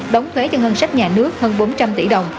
đóng thuế cho ngân sách nhà nước hơn bốn trăm linh tỷ đồng